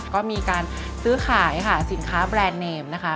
ก็มีการซื้อขายค่ะสินค้าแบรนด์เนมนะคะ